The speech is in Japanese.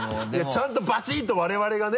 ちゃんとバチッと我々がね。